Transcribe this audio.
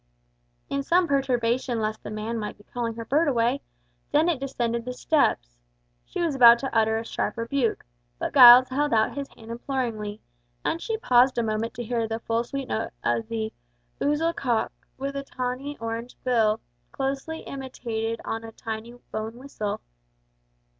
In some perturbation lest the man might be calling her bird away, Dennet descended the steps. She was about to utter a sharp rebuke, but Giles held out his hand imploringly, and she paused a moment to hear the sweet full note of the "ouzel cock, with orange tawny bill" closely imitated on a tiny bone whistle.